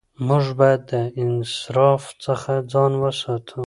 موږ باید د اسراف څخه ځان وساتو